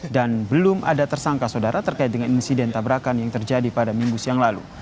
dan belum ada tersangka saudara terkait dengan insiden tabrakan yang terjadi pada minggu siang lalu